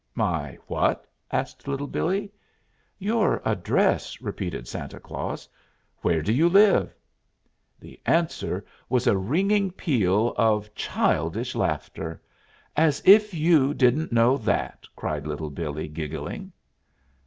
"My what?" asked Little Billee. "Your address," repeated Santa Claus. "Where do you live?" The answer was a ringing peal of childish laughter. "As if you didn't know that!" cried Little Billee, giggling.